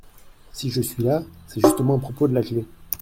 Si je suis là, c’est justement à propos de la clef !…